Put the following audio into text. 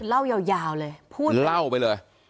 เล่ายาวเลยพูดเล่าไปเลย